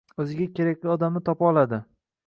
o‘ziga kerakli odamni topa oladi.